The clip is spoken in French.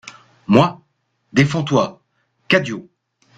Moi., Défends-toi, Cadio.